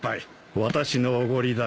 私のおごりだよ。